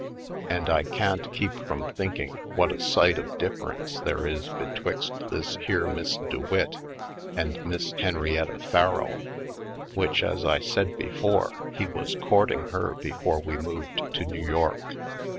And I can't keep from thinking what a sight of difference there is betwixt this here Miss DeWitt and Miss Henrietta Farrell, which, as I said before, he was courting her before we moved to New York.